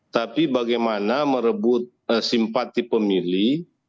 tapi bagaimana merebut simpati pemilih